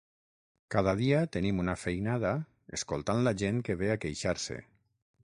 Cada dia tenim una feinada escoltant la gent que ve a queixar-se